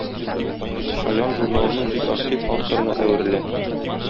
"Чаян" журналының бик актив авторына әверелә.